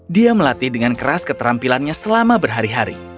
dia melatih dengan keras keterampilannya selama berhari hari